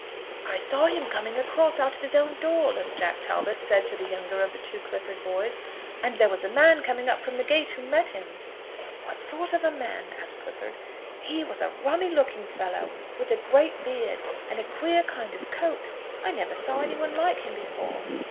"I saw him coming across out of his own door," little Jack Talbot said to the younger of the two Clifford boys, "and there was a man coming up from the gate who met him." "What sort of a man?" asked Clifford. "He was a rummy looking fellow, with a great beard, and a queer kind of coat. I never saw any one like him before."